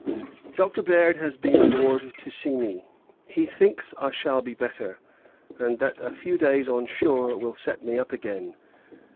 Dr. Baird has been aboard, to see me. He thinks, I shall be better; and, that a few days on shore will set me up again.